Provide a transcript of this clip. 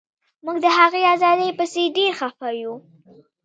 موږ د هغې ازادۍ پسې هم ډیر خفه یو